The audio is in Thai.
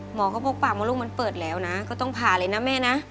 หมอก็บอกปากมดลูกมันเปิดแล้วนะก็ต้องผ่าเลยนะแม่นะ